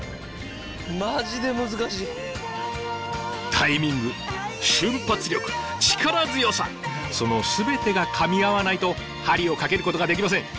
タイミング瞬発力力強さその全てがかみ合わないと針をかけることができません。